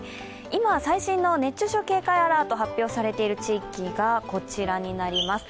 今、最新の熱中症警戒アラートが発表されている地域がこちらになります。